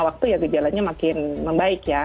waktu ya gejalanya makin membaik ya